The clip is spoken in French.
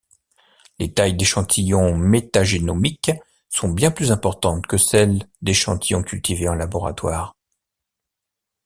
Les tailles d'échantillons métagénomiques sont bien plus importantes que celles d'échantillons cultivés en laboratoire.